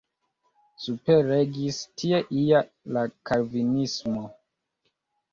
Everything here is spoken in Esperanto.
Superregis tie ja la Kalvinismo.